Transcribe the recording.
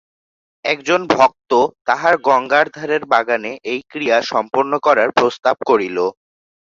একজন ভক্ত তাহার গঙ্গার ধারের বাগানে এই ক্রিয়া সম্পন্ন করার প্রস্তাব করিল।